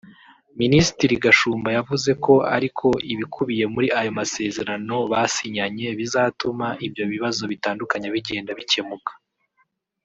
Minisitiri Gashumba yavuze ko ariko ibikubiye muri ayo masezerano basinyanye bizatuma ibyo bibazo bitandukanye bigenda bikemuka